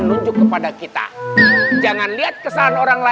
bukannya kalian malah ngasih tahu yang baik